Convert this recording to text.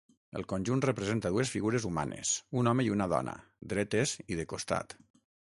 El conjunt representa dues figures humanes, un home i una dona, dretes i de costat.